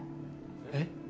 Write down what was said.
えっ？